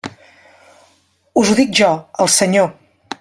Us ho dic jo, el Senyor.